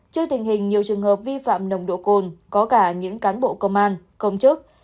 trước tình hình nhiều trường hợp vi phạm nồng độ cồn có cả những cán bộ công an công chức